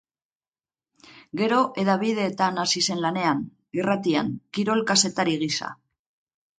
Gero hedabideetan hasi zen lanean, irratian, kirol-kazetari gisa.